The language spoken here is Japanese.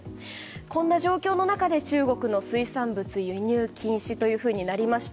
こんな状況の中で中国の水産物輸入禁止となりました。